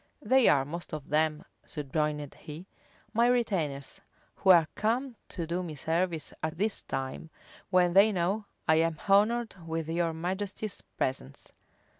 "They are most of them," subjoined he, "my retainers, who are come to do me service at this time, when they know I am honored with your majesty's presence."